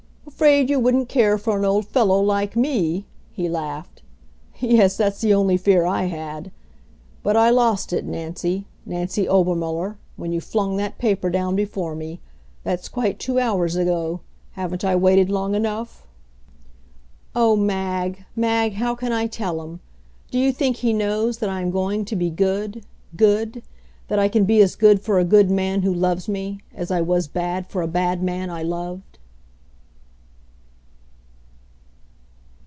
"Afraid you wouldn't care for an old fellow like me?" he laughed. "Yes, that's the only fear I had. But I lost it, Nancy, Nancy Obermuller, when you flung that paper down before me. That's quite two hours ago haven't I waited long enough?" Oh, Mag Mag, how can I tell him? Do you think he knows that I am going to be good good! that I can be as good for a good man who loves me, as I was bad for a bad man I loved!